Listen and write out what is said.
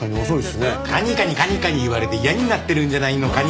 カニカニカニカニ言われて嫌になってるんじゃないのカニ？